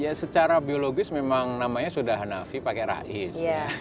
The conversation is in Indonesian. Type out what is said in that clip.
ya secara biologis memang namanya sudah hanafi pakai rais